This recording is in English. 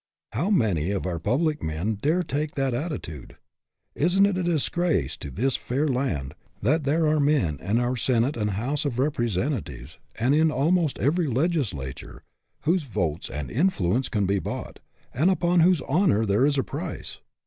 How many of our public men dare take that attitude? Isn't it a disgrace to this fair land that there are men in our Senate and House of Represen tatives, and in almost every legislature, whose votes and influence can be bought, and upon whose honor there is a price?